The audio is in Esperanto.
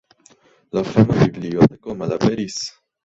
La fama biblioteko malaperis.